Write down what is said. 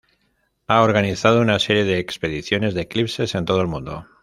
Ha organizado una serie de expediciones de eclipses en todo el mundo.